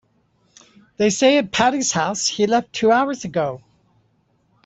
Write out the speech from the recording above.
They say at Patti's house he left two hours ago.